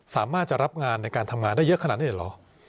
สามารถจะรับงานในการทำงานได้เยอะขนาดนี้เหรอ